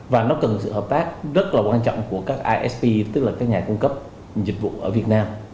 và nó cần sự hợp tác rất là quan trọng của các isp tức là các nhà cung cấp dịch vụ ở việt nam